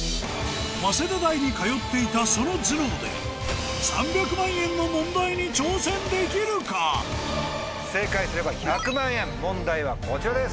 早稲田大に通っていたその頭脳で正解すれば１００万円問題はこちらです。